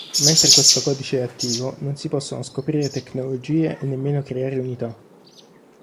Mentre questo codice è attivo non si possono scoprire tecnologie e nemmeno creare unità.